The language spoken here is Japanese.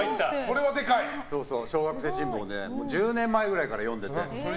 小学生新聞を１０年前ぐらいから読んでいて。